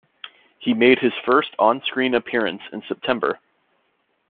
He made his first on screen appearance in September.